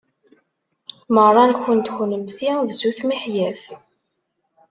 Meṛṛa-nkent kunemti d sut miḥyaf.